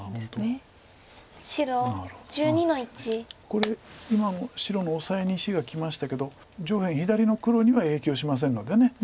これ今の白のオサエに石がきましたけど上辺左の黒には影響しませんので。